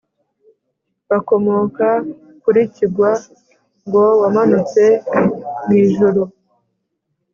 bakomoka kuri kigwa (ngo wamanutse mu ijuru)